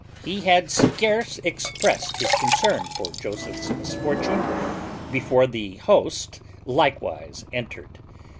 He had scarce expressed his concern for Joseph's misfortune before the host likewise entered.